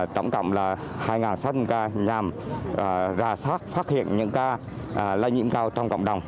tổng cộng là hai sáu trăm linh ca nhằm ra soát phát hiện những ca lây nhiễm cao trong cộng đồng